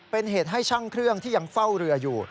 เป็นเหตุให้ช่างเครื่องที่ยังเฝ้าเรืออยู่